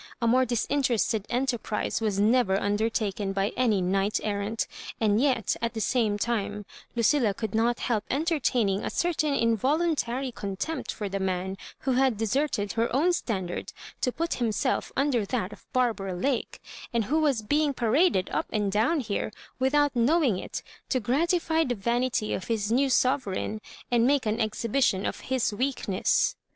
A more disinterested enterprise was never undertaken by any knight errant; and yet, at the same time, Lucilla could not help enter taming a certain involuntary contempt for the man who had deserted her own standard to put himself under that of Barbara Lake, and who was being paraded up and down here without know ing it, to gratify the vanity of his new sovereign, and make an exhibition of his weakness.